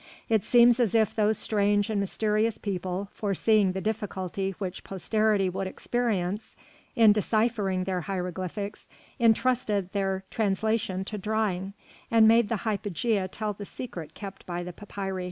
It seems as if those strange and mysterious people, foreseeing the difficulty which posterity would experience in deciphering their hieroglyphics, intrusted their translation to drawing, and made the hypogea tell the secret kept by the papyri.